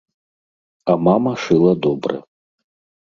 А мама шыла добра.